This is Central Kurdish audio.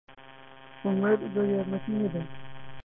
عومەر زۆر یارمەتی نەداین.